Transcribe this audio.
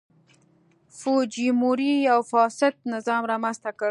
فوجیموري یو فاسد نظام رامنځته کړ.